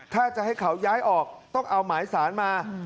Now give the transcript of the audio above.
ถ้าจะให้เขาย้ายออกต้องเอาหมายสารมา